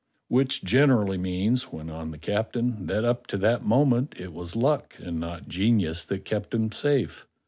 "Which generally means," went on the captain, "that up to that moment it was luck and not genius that kept them safe.